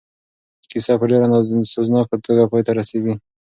کیسه په ډېره سوزناکه توګه پای ته رسېږي.